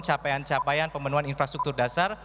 capaian capaian pemenuhan infrastruktur dasar